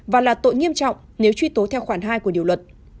và là tội nghiêm trọng nếu truy tố theo khoản hai của điều luật